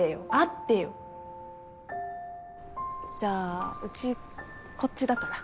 じゃあうちこっちだから。